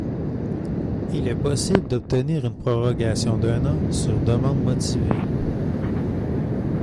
Il est possible d'obtenir une prorogation d'un an sur demande motivée.